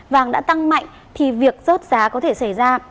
vàng đã tăng mạnh thì việc rớt giá có thể xảy ra